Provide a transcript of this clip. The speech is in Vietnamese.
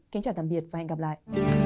kính chào tạm biệt và hẹn gặp lại